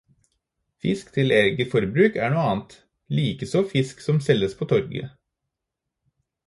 Fisk til eget forbruk er noe annet, likeså fisk som selges på torvet.